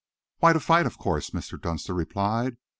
"Why, to fight, of course," Mr. Dunster replied.